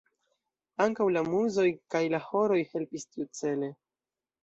Ankaŭ la muzoj kaj la horoj helpis tiucele.